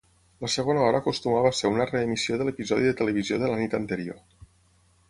La segona hora acostumava a ser una reemissió de l'episodi de televisió de la nit anterior.